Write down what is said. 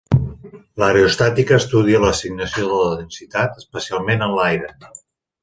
L'aerostàtica estudia l'assignació de la densitat, especialment en l'aire.